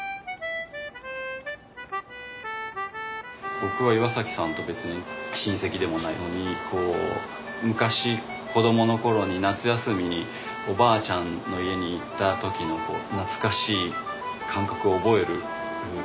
僕は岩さんと別に親戚でもないのにこう昔子どもの頃に夏休みにおばあちゃんの家に行った時の懐かしい感覚を覚える。